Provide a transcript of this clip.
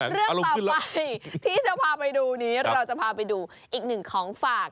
เรื่องต่อไปที่จะพาไปดูนี้เราจะพาไปดูอีกหนึ่งของฝาก